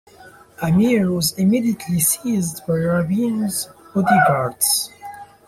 Amir was immediately seized by Rabin's bodyguards.